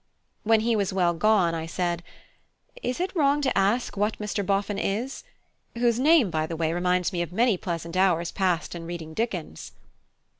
When he was well gone, I said: "Is it wrong to ask what Mr. Boffin is? whose name, by the way, reminds me of many pleasant hours passed in reading Dickens."